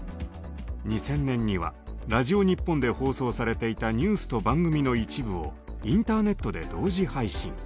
２０００年にはラジオ日本で放送されていたニュースと番組の一部をインターネットで同時配信。